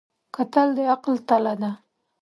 کتل د عقل تله ده